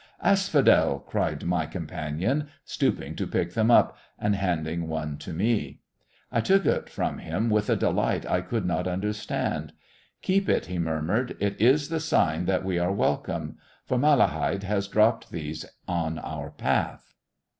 "Asphodel!" cried my companion, stooping to pick them up and handing one to me. I took it from him with a delight I could not understand. "Keep it," he murmured; "it is the sign that we are welcome. For Malahide has dropped these on our path."